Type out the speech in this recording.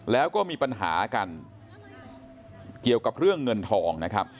แล้วก็มีปัญหากันเกี่ยวกับเรื่องเงินทองนะครับ